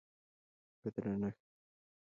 په درنښت